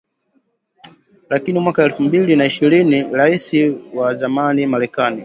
Lakini mwaka elfu mbili na ishirini Raisi wa zamani Marekani